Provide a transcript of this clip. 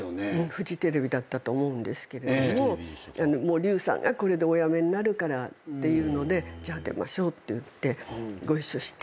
フジテレビだったと思うんですけれどももう笠さんがこれでお辞めになるからっていうのでじゃあ出ましょうって言ってご一緒して。